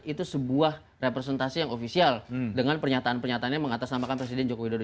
itu sebuah representasi yang ofisial dengan pernyataan pernyataannya mengatasnamakan presiden joko widodo